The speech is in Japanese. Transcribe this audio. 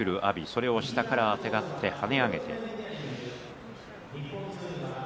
それを、下からあてがって跳ね上げる照ノ富士。